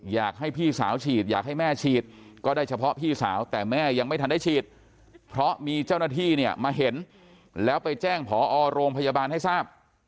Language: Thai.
อยากให้พี่สาวฉีดอยากให้แม่ฉีดก็ได้เฉพาะพี่สาวแต่แม่ยังไม่ทันได้ฉีดเพราะมีเจ้าหน้าที่เนี่ยมาเห็นแล้วไปแจ้งผอโรงพยาบาลให้ทราบ